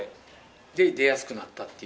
で、出やすくなったっていう。